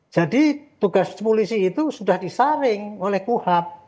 jadi tugas polisi itu sudah disaring oleh kuhab